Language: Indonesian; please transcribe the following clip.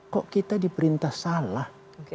kok kita diperintah salah